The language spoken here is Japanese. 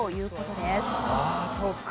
あそうか。